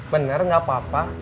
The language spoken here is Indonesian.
bener gak apa apa